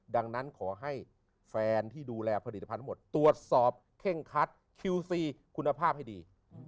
ดังนั้นขอให้แฟนที่ดูแลผลิตภัณฑ์หมดตรวจสอบเข้งคัดคิวซีคุณภาพให้ดี